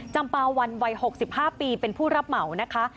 จำปาวันวัย๖๕ปีเป็นผู้รับเหมานะคะ